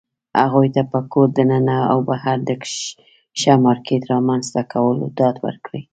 هغوى ته په کور دننه او بهر د ښه مارکيټ رامنځته کولو ډاډ ورکړى